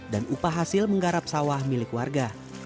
dan upah hasil menggarap sawah milik warga